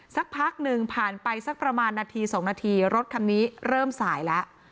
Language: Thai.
สักพักหนึ่งผ่านไปสักประมาณนาที๒นาทีรถคันนี้เริ่มสายแล้ว